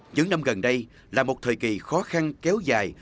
những năm gần đây là một thời kỳ khó khăn kéo dài